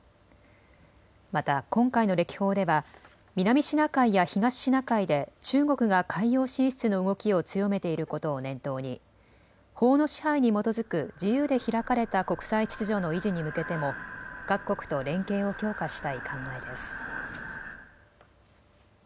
また今回の歴訪では南シナ海や東シナ海で中国が海洋進出の動きを強めていることを念頭に法の支配に基づく自由で開かれた国際秩序の維持に向けても各国と連携を強化したい考えです。